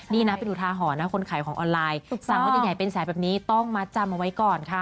ดีนะเป็นอุทาหรณะคนขายของออนไลน์ถามว่าจะใหญ่เป็นแสนแบบนี้ต้องมัดจำเอาไว้ก่อนค่ะ